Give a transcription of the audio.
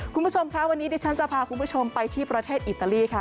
คุณผู้ชมค่ะวันนี้ดิฉันจะพาคุณผู้ชมไปที่ประเทศอิตาลีค่ะ